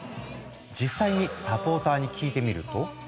実際にサポーターに聞いてみると。